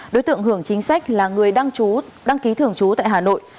đối tượng hưởng chính sách là người đăng ký thưởng chú tại hà nội